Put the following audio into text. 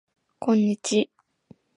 こんにち